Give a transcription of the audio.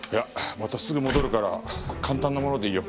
またすぐ戻るから簡単なものでいいよ。